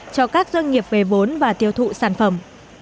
cho các doanh nghiệp về vốn và tiêu thụ sản phẩm